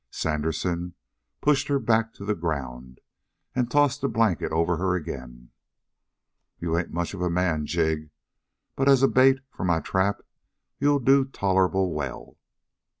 Sandersen pushed her back to the ground and tossed the blanket over her again. "You ain't much of a man, Jig, but as a bait for my trap you'll do tolerable well.